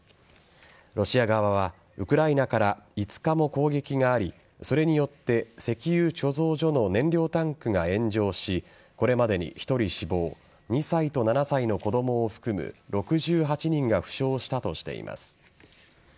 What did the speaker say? ロシア側は、ウクライナから５日も攻撃がありそれによって石油貯蔵所の燃料タンクが炎上しこれまでに１人死亡２歳と７歳の子供を含む６８人が負傷したとしています。